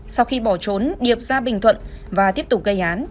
sau khi bỏ trốn điệp ra bình thuận và tiếp tục gây án